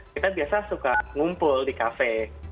kita bisa kumpul di kafe